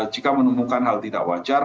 jika menemukan hal tidak wajar